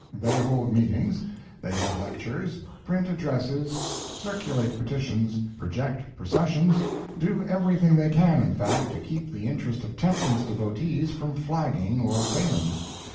They hold meetings, they have lectures, print addresses, circulate petitions, project processions—do everything they can, in fact, to keep the interest of temperance devotees from flagging or failing.